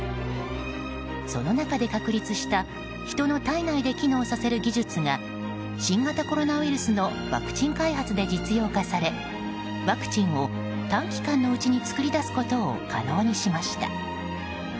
その中で確立した人の体内で機能させる技術が新型コロナウイルスのワクチン開発で実用化されワクチンを短期間のうちに作り出すことを可能にしました。